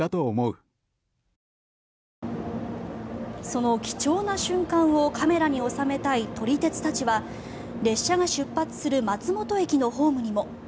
その貴重な瞬間をカメラに収めたい撮り鉄たちは列車が出発する松本駅のホームにも。